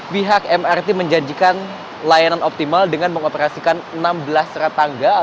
kita bisa melihat